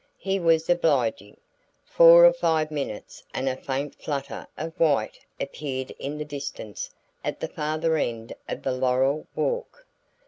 He was obliging. Four or five minutes, and a faint flutter of white appeared in the distance at the farther end of the laurel walk.